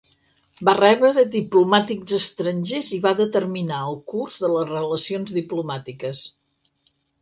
Va rebre diplomàtics estrangers i va determinar el curs de les relacions diplomàtiques.